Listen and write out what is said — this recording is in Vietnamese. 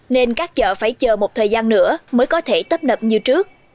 nên các chợ phải chờ một thời gian nữa mới có thể tấp nập như trước